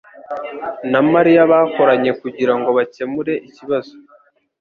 na Mariya bakoranye kugirango bakemure ikibazo.